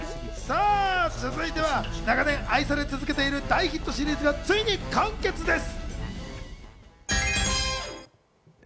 続いては長年愛され続けている大ヒットシリーズがついに完結です。